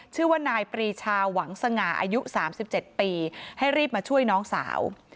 ชื่อว่านายปรีชาหวังสง่าอายุ๓๗ปีให้รีบมาช่วยน้องสาว